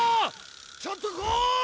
ちょっと来い！